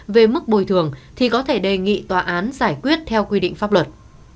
về mức bồi thường thì có thể đề nghị tòa án giải quyết theo quy định pháp luật